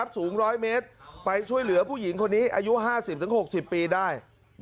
สูง๑๐๐เมตรไปช่วยเหลือผู้หญิงคนนี้อายุ๕๐๖๐ปีได้